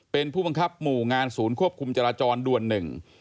เป็นผู้บังคับหมู่งานศูนย์ควบคุมจราจรด่วนหนึ่ง